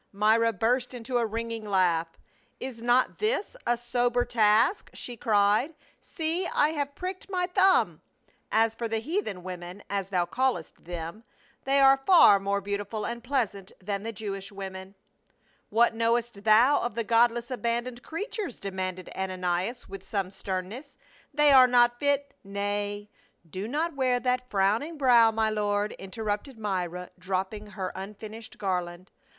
Myra burst into a ringing laugh. " Is not this a sober task?" she cried. "See, I have pricked my thumb. As for the heathen women, as thou callest them, they are far more beautiful and pleasant than the Jewish women." " What knowest thou of the godless abandoned creatures?" demanded Ananias wdth some sternness. " They are not fit —"" Nay, do not wear that frowning brow, my lord," interrupted Myra, dropping her unfinished garland.